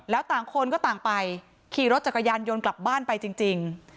แล้วต่างคนก็ต่างไปขี่รถจักรยานยนต์กลับบ้านไปจริง